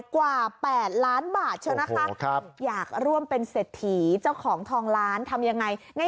กว่า๘ล้านบาทใช่ไหมคะอยากร่วมเป็นเศรษฐีเจ้าของทองล้านทำยังไง